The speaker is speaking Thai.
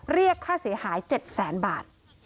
เรียกค่าเสียหาย๗๐๐๐๐๐บาท